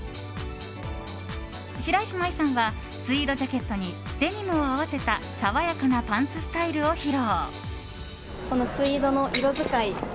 白石麻衣さんはツイードジャケットにデニムを合わせた爽やかなパンツスタイルを披露。